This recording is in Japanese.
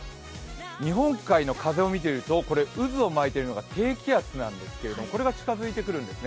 日本海の風を見ていると、渦を巻いているのが低気圧なんですけれども、これが近づいてくるんですね。